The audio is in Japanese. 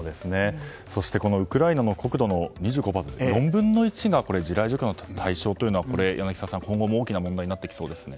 そして、ウクライナの国土の２５％って４分の１が地雷除去の対象というのは柳澤さん、今後も大きな問題になってきそうですね。